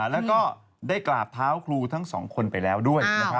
แล้วก็ได้กราบเท้าครูทั้งสองคนไปแล้วด้วย